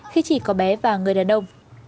khi chỉ có bé và người đàn ông